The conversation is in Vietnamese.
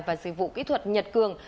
và dịch vụ kỹ thuật nhật cường